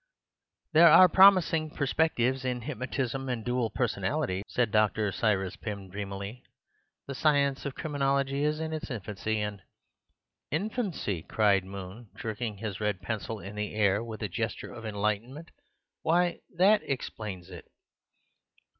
"There are promising per spectives in hypnotism and dual personality," said Dr. Cyrus Pym dreamily; "the science of criminology is in its infancy, and—" "Infancy!" cried Moon, jerking his red pencil in the air with a gesture of enlightenment; "why, that explains it!"